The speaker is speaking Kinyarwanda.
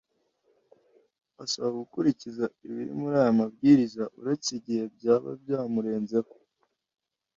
Asaba gukurikiza ibiri muri aya mabwiriza uretse igihe byaba byamurenzeho